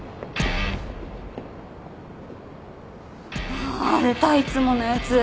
ああ出たいつものやつ！